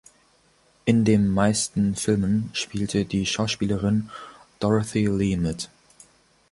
In dem meisten Filmen spielte die Schauspielerin Dorothy Lee mit.